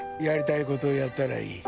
やりたいことやったらいい。